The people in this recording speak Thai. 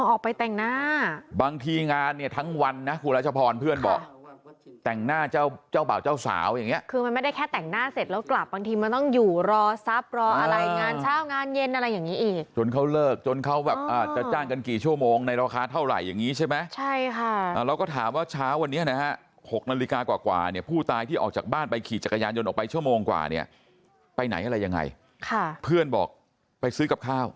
อ๋อออกไปแต่งหน้าบางทีงานเนี่ยทั้งวันนะครูและเจ้าพรเพื่อนบอกแต่งหน้าเจ้าเจ้าบ่าวเจ้าสาวอย่างเนี้ยคือมันไม่ได้แค่แต่งหน้าเสร็จแล้วกลับบางทีมันต้องอยู่รอซับรออะไรงานเช้างานเย็นอะไรอย่างนี้อีกจนเขาเลิกจนเขาแบบจะจ้างกันกี่ชั่วโมงในราคาเท่าไหร่อย่างนี้ใช่ไหมใช่ค่ะเราก็ถามว่าเช้าวันเนี้